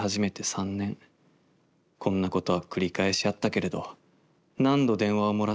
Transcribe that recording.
こんなことはくり返しあったけれど何度電話をもらっても心臓に悪い。